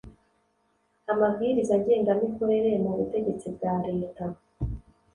amabwiriza ngengamikorere mu butegetsi bwa Leta